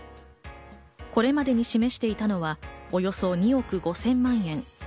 これまでに示していたのはおよそ２億５０００万円。